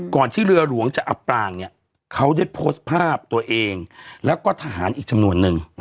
ที่เรือหลวงจะอับปรางเนี่ยเขาได้โพสต์ภาพตัวเองแล้วก็ทหารอีกจำนวนนึง